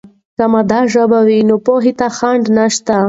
که مادي ژبه وي، نو پوهې ته خنډ نشته.